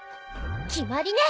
決まりね！